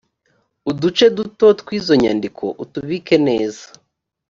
uduce duto twizo nyandiko utubike neza